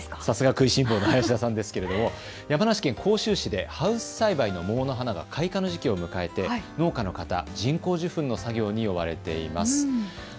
さすが食いしん坊の林田さんですけれども山梨県甲州市でハウス栽培の桃の花が開花の時期を迎えて農家の方、人工授粉の作業に追われています。